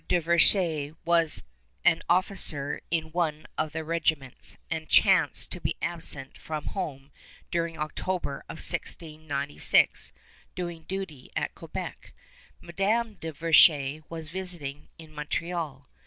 de Verchères was an officer in one of the regiments, and chanced to be absent from home during October of 1696, doing duty at Quebec. Madame de Verchères was visiting in Montreal.